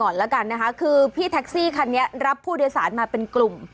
แล้วกันนะคะคือพี่แท็กซี่คันนี้รับผู้โดยสารมาเป็นกลุ่ม